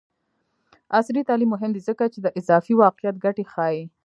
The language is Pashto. عصري تعلیم مهم دی ځکه چې د اضافي واقعیت ګټې ښيي.